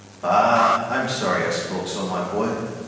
"Ah, I'm sorry I spoke so, my boy.